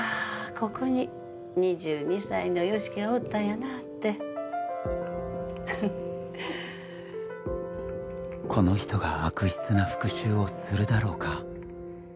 ここに２２歳の由樹がおったんやなってこの人が悪質な復讐をするだろうか